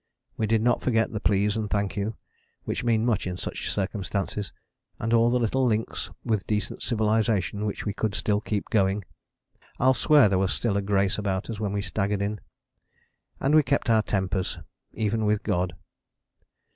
We did not forget the Please and Thank you, which mean much in such circumstances, and all the little links with decent civilization which we could still keep going. I'll swear there was still a grace about us when we staggered in. And we kept our tempers even with God.